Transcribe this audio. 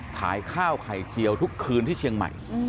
ขายข้าวไข่เจียวทุกคืนที่เชียงใหม่